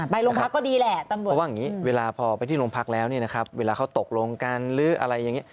เพราะว่าอย่างนี้เวลาพอไปที่โรงพักแล้วนี่นะครับเวลาเขาตกลงกันหรืออะไรอย่างนี้